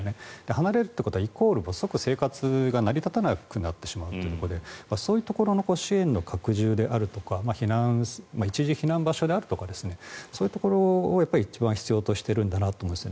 離れるということはイコール即生活が成り立たなくなってしまうということでそういうところの支援の拡充であるとか一時避難場所であるとかそういうところを一番必要としているんだと思います。